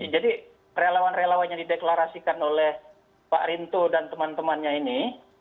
relawan relawan yang dideklarasikan oleh pak rinto dan teman temannya ini